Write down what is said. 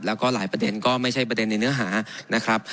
แล้วก็หลายประเด็นก็ไม่ใช่ประเด็นในเนื้อหานะครับ